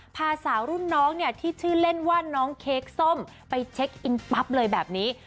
พาสาวรุ่นน้องเนี่ยที่ชื่อเล่นว่าน้องเค้กส้มไปเช็คอินปั๊บเลยแบบนี้